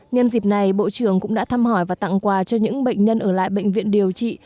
nhân dịp này bộ trưởng cũng đã thăm hỏi và tặng quà cho những bệnh nhân ở lại bệnh viện điều trị